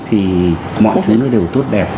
thì mọi thứ nó đều tốt đẹp